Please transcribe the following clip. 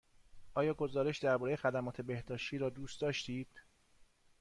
آیا گزارش درباره خدمات بهداشتی را دوست داشتید؟